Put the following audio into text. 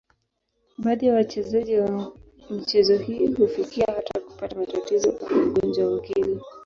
Baadhi ya wachezaji wa michezo hii hufikia hata kupata matatizo au ugonjwa wa akili.